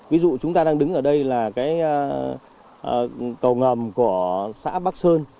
ví dụ chúng ta đang đứng ở đây là cái cầu ngầm của xã bắc sơn